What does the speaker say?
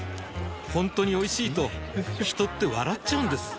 ほんとにおいしいと人って笑っちゃうんです